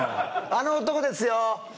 あの男ですよ